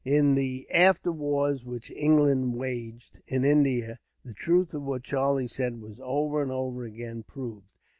In the after wars which England waged, in India, the truth of what Charlie said was over and over again proved.